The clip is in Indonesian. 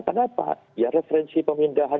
kenapa ya referensi pemindahan